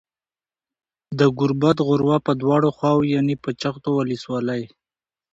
د گوربت غروه په دواړو خواوو يانې په جغتو ولسوالۍ